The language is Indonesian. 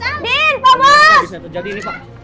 apa yang terjadi ini pak